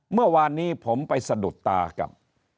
เมื่อวานนี้ผมไปสะดุดตากับ